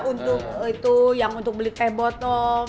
untuk itu yang untuk beli teh botol